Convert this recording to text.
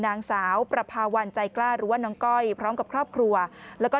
นางสาวประพาวันใจกล้าหรือว่าน้องก้อยพร้อมกับครอบครัวแล้วก็